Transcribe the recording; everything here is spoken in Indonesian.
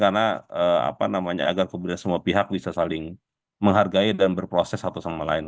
karena apa namanya agar kebenaran semua pihak bisa saling menghargai dan berproses satu sama lain